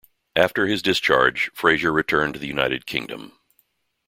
After his discharge, Fraser returned to the United Kingdom.